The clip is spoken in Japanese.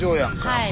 はい。